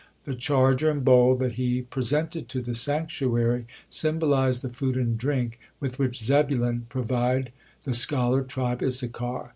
The charger and bowl that he presented to the sanctuary symbolize the food and drink with which Zebulun provide the scholar tribe Issachar.